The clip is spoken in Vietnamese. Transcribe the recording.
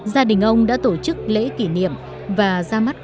gia đình ông đã tổ chức lễ kỷ niệm và ra mắt của thủ đô hà nội